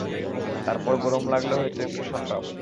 তারপর গরম লাগলে হয়তো একটু সাঁতরাবো।